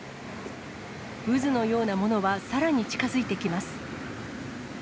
渦のようなものはさらに近づいてきます。